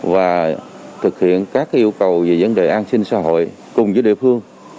và thực hiện các yêu cầu về vấn đề an sinh xã hội cùng với địa phương